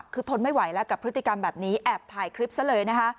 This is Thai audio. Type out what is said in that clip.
คือทนไม่ไหวแล้วกับพฤติกรรมแบบนี้แอบถ่ายคลิปซะเลยนะคะ